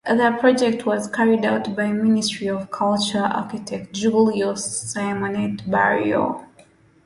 The project was carried out by Ministry of Culture architect Julio Simonet Barrio.